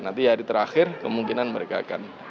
nanti hari terakhir kemungkinan mereka akan